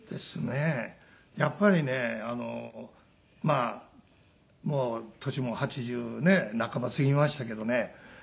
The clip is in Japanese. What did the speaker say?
やっぱりねあのまあもう年も八十半ば過ぎましたけどね。